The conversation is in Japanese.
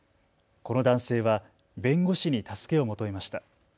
この男性は弁護士に助けを求めました。